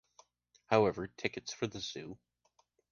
However, tickets for the zoo?